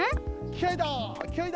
きあいだ！